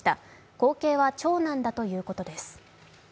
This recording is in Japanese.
後継は長男だということです。